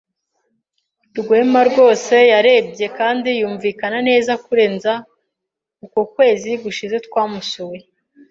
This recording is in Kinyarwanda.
Rwema rwose yarebye kandi yumvikana neza kurenza uko ukwezi gushize twamusuye.